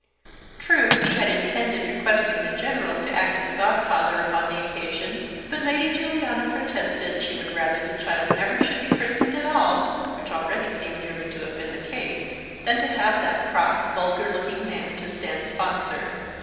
True, he had intended requesting the General to act as godfather upon the occasion; but Lady Juliana protested she would rather the child never should be christened at all (which already seemed nearly to have been the case) than have that cross vulgar Iooking man to stand sponsor.